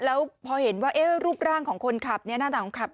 แล้วพอเห็นว่ารูปร่างของคนขับหน้าต่างคนขับ